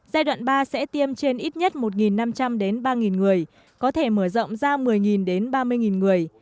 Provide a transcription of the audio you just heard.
giai đoạn ba sẽ tiêm trên ít nhất một năm trăm linh đến ba người có thể mở rộng ra một mươi đến ba mươi người